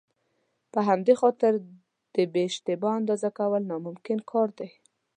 په همدې خاطر د بې اشتباه اندازه کول ناممکن کار دی.